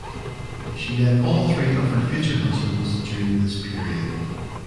She met all three of her future husbands during this period.